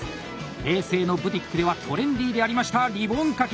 平成のブティックではトレンディーでありましたリボン掛け。